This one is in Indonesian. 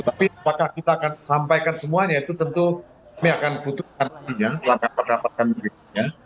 tapi apakah kita akan sampaikan semuanya itu tentu kami akan butuhkan nantinya langkah pendapatan berikutnya